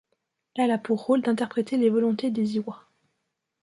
Elle a pour rôle d'interpréter les volontés des lwa.